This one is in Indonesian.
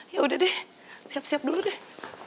ya udah deh siap siap dulu deh